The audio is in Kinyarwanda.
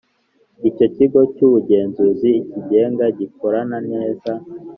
Icyo kigo cy ubugenzuzi kigenga gikora neza